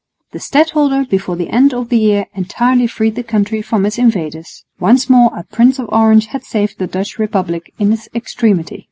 The stadholder before the end of the year entirely freed the country from its invaders. Once more a Prince of Orange had saved the Dutch Republic in its extremity.